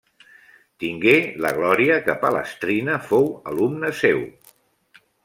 Tingué la glòria que Palestrina fou alumne seu.